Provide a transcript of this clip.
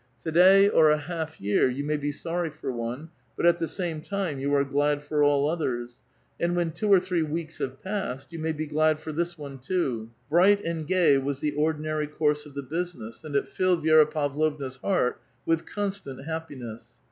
To day or a half year you may be sorry for one ; but at the same time you are glad for all others ; and when two or three weeks have passed, you may be glad for this one too. Bright and gay was the ordinary course of the business, and it filled Vi^ra Pavlov na's heart with constant happiness.